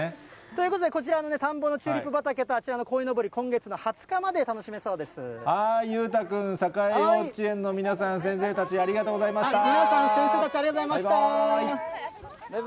ということで、こちらの田んぼのチューリップ畑の、あちらのこいのぼり、今月のはーい、裕太君、さかえ幼稚園の皆さん、先生たち、ありがとうございました。